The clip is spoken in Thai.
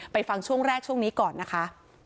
ฟังช่วงแรกช่วงนี้ก่อนนะคะ